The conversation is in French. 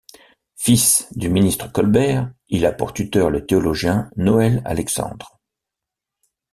Fils du ministre Colbert, il a pour tuteur le théologien Noël Alexandre.